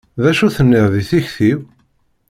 D acu tenniḍ deg tikti-w?